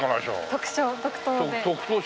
特賞特等で。